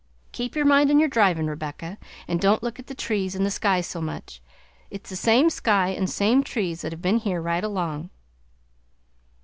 Keep your mind on your drivin', Rebecca, and don't look at the trees and the sky so much. It's the same sky and same trees that have been here right along.